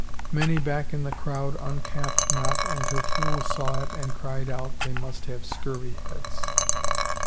Many back in the crowd uncapped not and her fool saw it and cried out they must have scurvy heads!